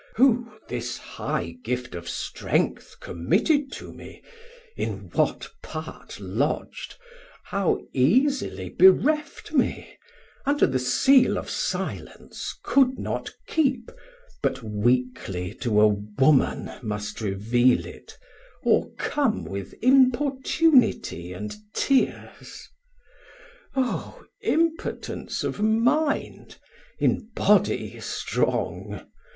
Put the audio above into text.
Who this high gift of strength committed to me, In what part lodg'd, how easily bereft me, Under the Seal of silence could not keep, But weakly to a woman must reveal it 50 O'recome with importunity and tears. O impotence of mind, in body strong!